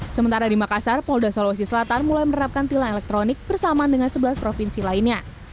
sementara di makassar polda sulawesi selatan mulai menerapkan tilang elektronik bersamaan dengan sebelas provinsi lainnya